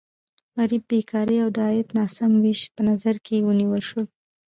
غربت، بېکاري او د عاید ناسم ویش په نظر کې ونیول شول.